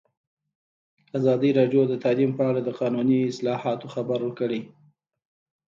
ازادي راډیو د تعلیم په اړه د قانوني اصلاحاتو خبر ورکړی.